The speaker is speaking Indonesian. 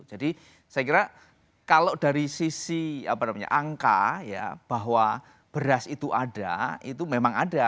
jadi saya kira kalau dari sisi angka ya bahwa beras itu ada itu memang ada